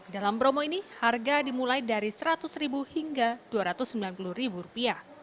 dalam promo ini harga dimulai dari rp seratus hingga rp dua ratus sembilan puluh